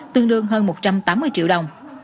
tương đương hơn một trăm tám mươi triệu đồng